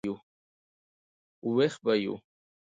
وېښ به یو.